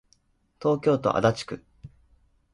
東京都足立区